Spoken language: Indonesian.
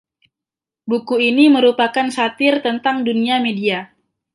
Buku ini merupakan satir tentang dunia media.